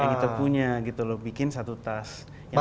yang kita punya gitu loh bikin satu tas